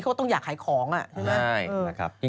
เขาก็ต้องอยากขายของใช่ไหม